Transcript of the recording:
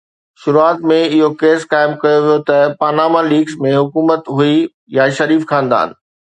شروعات ۾ اهو ڪيس قائم ڪيو ويو ته پاناما ليڪس ۾ حڪومت هئي يا شريف خاندان